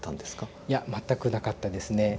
いや全くなかったですね。